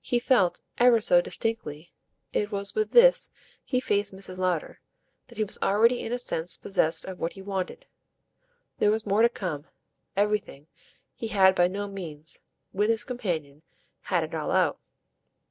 He felt, ever so distinctly it was with this he faced Mrs. Lowder that he was already in a sense possessed of what he wanted. There was more to come everything; he had by no means, with his companion, had it all out.